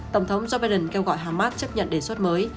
tổng thống joe biden kêu gọi hamas chấp nhận đề xuất mới